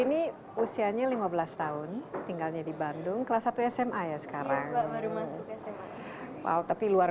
ini usianya lima belas tahun tinggalnya di bandung kelas satu sma ya sekarang baru masuk sma wow tapi luar